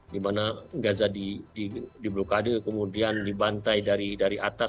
di mana gaza di blokade kemudian dibantai dari atas